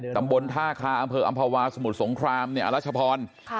ตำบลท่าคาอำเภออำภาวาสมุทรสงครามเนี่ยอรัชพร